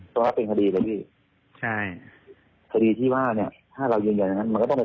ถ้าเรายืนอย่างนั้นมันก็ต้องได้รับคดี